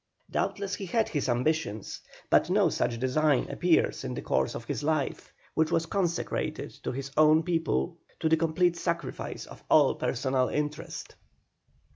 Doubtless he had his ambitions, but no such design appears in the course of his life, which was consecrated to his own people to the complete sacrifice of all personal interest.